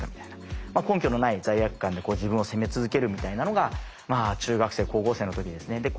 根拠のない罪悪感で自分を責め続けるみたいなのがまあ中学生高校生の時ですね。